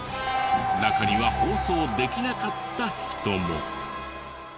中には放送できなかった人も。